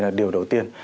là điều đầu tiên